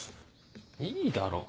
いいだろ。